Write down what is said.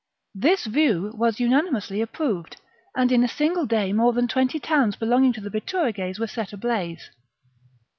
This view was unanimously approved; and in a single day more than twenty towns belonging to the Bituriges were set ablaze.